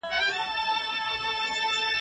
ژړا نه وه څو پیسوته خوشالي وه ..